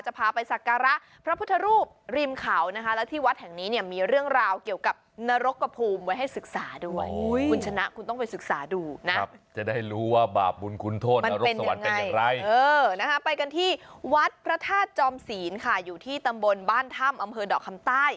จะพาไปศักราสิ่งศักดิ์สิทธิ์สิทธิ์เสริมสิริมงคลกันด้วยนะคะจะพาไปศักราสิ่งศักดิ์สิทธิ์เสริมสิริมงคลกันด้วยนะคะ